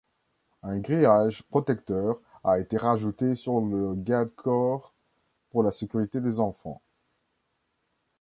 Un grillage protecteur a été rajouté sur le garde-corps pour la sécurité des enfants.